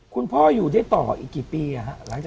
คุณพ่ออยู่ได้ต่ออีกกี่ปี